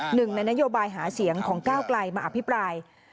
หนึ่งในนโยบายหาเสียงของก้าวไกลมาอภิปราย